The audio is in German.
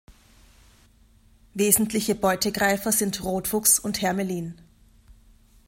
Wesentliche Beutegreifer sind Rotfuchs und Hermelin.